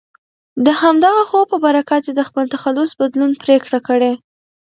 د همدغه خوب په برکت یې د خپل تخلص بدلون پرېکړه کړې.